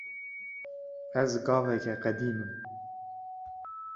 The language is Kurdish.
Ez gavekê qedimîm.